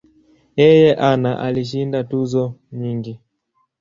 Yeye ana alishinda tuzo nyingi.